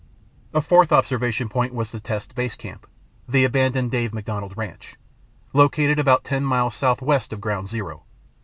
A fourth observation point was the test's Base Camp, (the abandoned Dave McDonald ranch) located about ten miles southwest of Ground Zero.